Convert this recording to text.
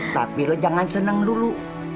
tapi lo jangan senang dulu